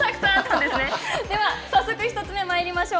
では早速１つ目まいりましょう。